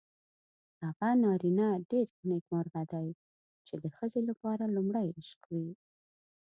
هغه نارینه ډېر نېکمرغه دی چې د ښځې لپاره لومړی عشق وي.